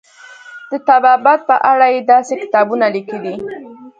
د طبابت په اړه یې داسې کتابونه لیکلي.